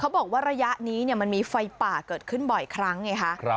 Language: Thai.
บอกว่าระยะนี้มันมีไฟป่าเกิดขึ้นบ่อยครั้งไงคะ